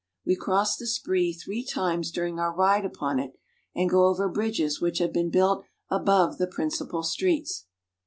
We cross the Spree three times during our ride upon it, and go over bridges which have been built above the principal streets.